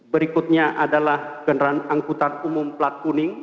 berikutnya adalah kendaraan angkutan umum plat kuning